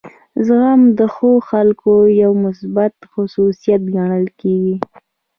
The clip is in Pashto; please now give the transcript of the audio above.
زغم د ښو خلکو یو مثبت خصوصیت ګڼل کیږي.